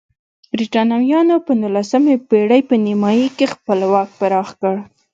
برېټانویانو په نولسمې پېړۍ په نیمایي کې خپل واک پراخ کړ.